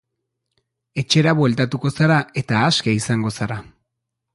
Etxera bueltatuko zara eta aske izango zara.